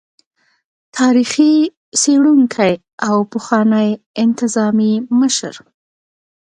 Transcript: تاريخ څيړونکي او پخواني انتظامي مشر